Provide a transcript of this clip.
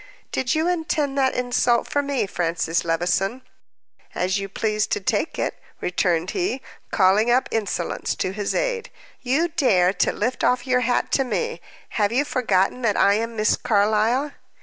"Did you intend that insult for me, Francis Levison?" "As you please to take it," returned he, calling up insolence to his aid. "You dare to lift off your hat to me! Have you forgotten that I am Miss Carlyle?"